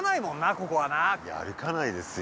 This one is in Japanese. ここはないや歩かないですよ